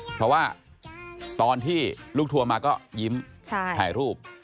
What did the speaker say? เพราะว่าตอนที่ลูกทัวร์มาก็ยิ้มถ่ายรูป